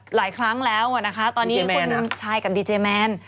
หลายครั้งแล้วนะคะตอนนี้คุณชายกับดีเจแมน